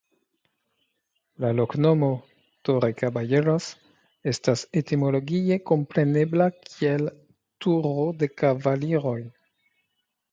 La loknomo "Torrecaballeros" estas etimologie komprenebla kiel Turo de Kavaliroj.